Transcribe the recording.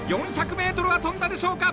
４００ｍは飛んだでしょうか。